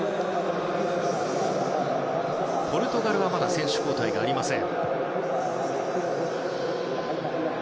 ポルトガルがまだ選手交代がありません。